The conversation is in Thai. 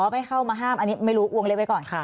ไม่เข้ามาห้ามอันนี้ไม่รู้วงเล็บไว้ก่อน